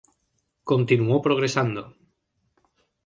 Continuó progresando.